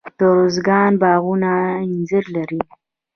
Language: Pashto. د ارزګان باغونه انځر لري.